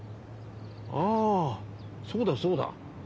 ああそうだそうだ。